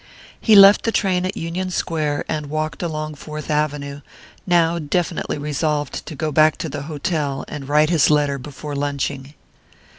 He left the train at Union Square, and walked along Fourth Avenue, now definitely resolved to go back to the hotel and write his letter before lunching.